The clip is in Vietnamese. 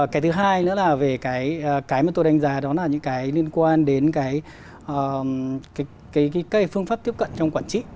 cái thứ hai nữa là về cái mà tôi đánh giá đó là những cái liên quan đến cái phương pháp tiếp cận trong quản trị